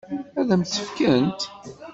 Ad m-tt-fkent?